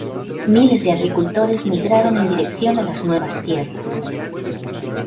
Miles de agricultores migraron en dirección a las nuevas tierras.